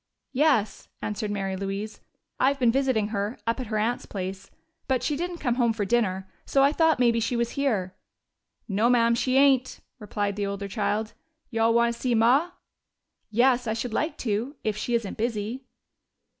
"Yes," answered Mary Louise. "I've been visiting her, up at her aunt's place. But she didn't come home for dinner, so I thought maybe she was here." "No, ma'am, she ain't," replied the older child. "You all want to see Ma?" "Yes, I should like to. If she isn't busy."